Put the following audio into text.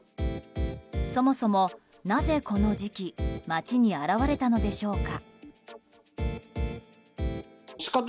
そもそも、なぜこの時期街に現れたのでしょうか。